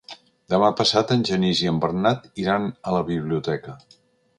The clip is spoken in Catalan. Demà passat en Genís i en Bernat iran a la biblioteca.